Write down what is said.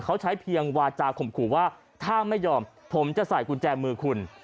เขาใช้เพียงวาจาข่มขู่ว่าถ้าไม่ยอมผมจะใส่กุญแจมือคุณ